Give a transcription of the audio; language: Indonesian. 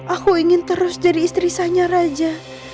aku ingin terus jadi istri saya raja